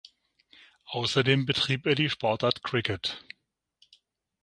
Außerdem betrieb er die Sportart Cricket.